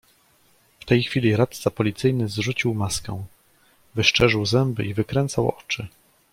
"W tej chwili radca policyjny zrzucił maskę: wyszczerzył zęby i wykręcał oczy."